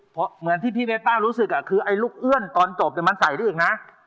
เพราะเหมือนที่พี่เมตต้ารู้สึกคือไอ้ลูกเอื้อนตอนจบมันใส่ได้อีกนะ